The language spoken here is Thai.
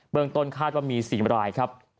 เมืองต้นคาดว่ามี๔รายครับ